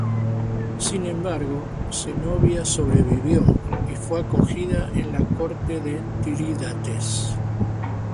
Sin embargo, Zenobia sobrevivió, y fue acogida en la corte de Tirídates.